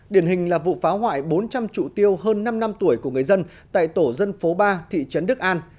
điển hình là vụ phá hoại bốn trăm linh trụ tiêu hơn năm năm tuổi của người dân tại tổ dân phố ba thị trấn đức an